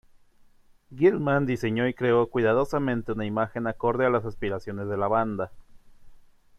Gillman diseño y creo cuidadosamente una imagen acorde a las aspiraciones de la banda.